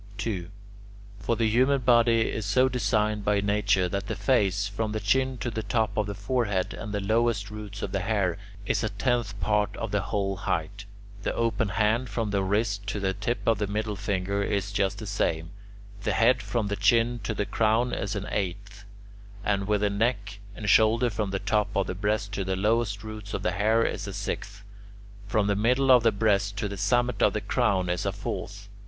2. For the human body is so designed by nature that the face, from the chin to the top of the forehead and the lowest roots of the hair, is a tenth part of the whole height; the open hand from the wrist to the tip of the middle finger is just the same; the head from the chin to the crown is an eighth, and with the neck and shoulder from the top of the breast to the lowest roots of the hair is a sixth; from the middle of the breast to the summit of the crown is a fourth.